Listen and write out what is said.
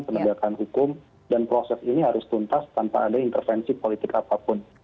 penegakan hukum dan proses ini harus tuntas tanpa ada intervensi politik apapun